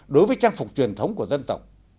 đối với trang phục truyền thống của dân tộc